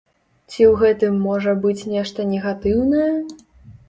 Ці ў гэтым можа быць нешта негатыўнае?